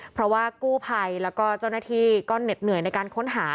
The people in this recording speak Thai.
เพราะว่ากู้ภัยแล้วก็เจ้าหน้าที่ก็เหน็ดเหนื่อยในการค้นหา